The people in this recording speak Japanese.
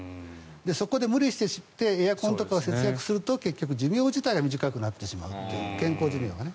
そこで無理してエアコンとかを節約すると結局寿命自体が短くなってしまう健康寿命がね。